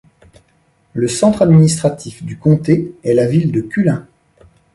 Le centre administratif du comté est la ville de Kulin.